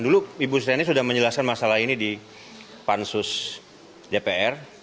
dulu ibu seni sudah menjelaskan masalah ini di pansus dpr